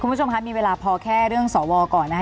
คุณผู้ชมคะมีเวลาพอแค่เรื่องสวก่อนนะคะ